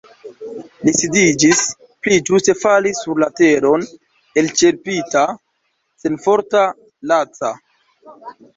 Li sidiĝis, pli ĝuste falis sur la teron elĉerpita, senforta, laca.